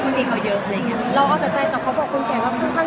ไม่มีปัญหากัน